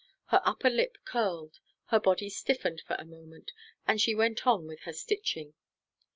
Her upper lip curled, her body stiffened for a moment, and she went on with her stitching.